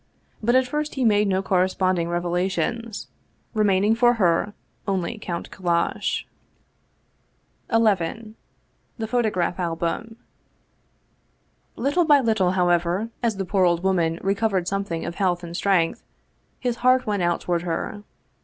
But at first he made no corresponding revelations, remaining for her only Count Kallash. 215 Russian Mystery Stories XI THE PHOTOGRAPH ALBUM LITTLE by little, however, as the poor old woman recov^ ered something of health and strength, his heart went out toward her.